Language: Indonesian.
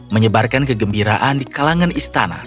menyebarkan kegembiraan di kalangan istana